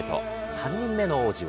３人目の王子は。